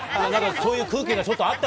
そういう空気がちょっとあっ